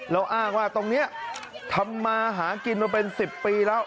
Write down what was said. แล้วอ้างว่าตรงนี้ทำมาหากินมาเป็น๑๐ปีแล้ว